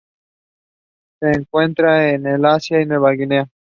Se encuentra en el Asia y Nueva Guinea.